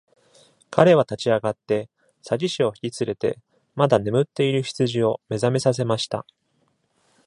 彼は立ち上がって、詐欺師を引き連れて、まだ眠っている羊を目覚めさせました。